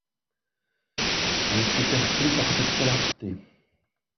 Je suis perclus par cette clarté.